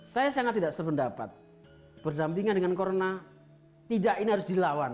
saya sangat tidak sependapat berdampingan dengan corona tidak ini harus dilawan